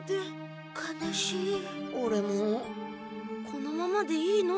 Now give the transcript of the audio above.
このままでいいの？